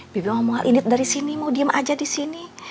bibi ngomong hal ini dari sini mau diem aja di sini